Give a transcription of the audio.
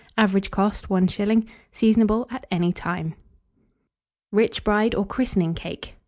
Average cost, 1s. Seasonable at any time. RICH BRIDE OR CHRISTENING CAKE.